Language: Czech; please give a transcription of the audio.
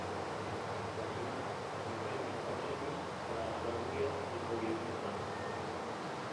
Ba co víc, konkrétní opatření, která navrhuje, jsou jednostranná.